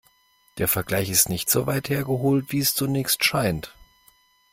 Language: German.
Der Vergleich ist nicht so weit hergeholt, wie es zunächst scheint.